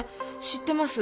知ってます。